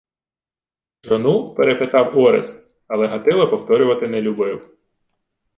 — Жону? — перепитав Орест, але Гатило повторювати не любив.